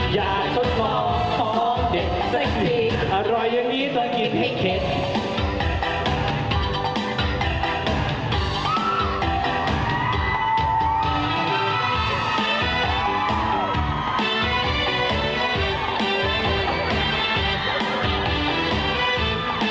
ทดลองของเด็กสักทีอร่อยอย่างนี้ต้องกินให้เข็ด